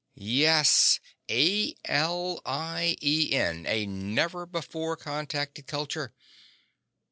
"Yes. A L I E N! A never before contacted culture.